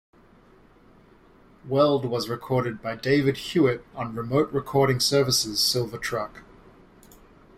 Weld was recorded by David Hewitt on Remote Recording Services' Silver Truck.